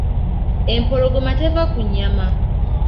Empologoma teva ku nnyama.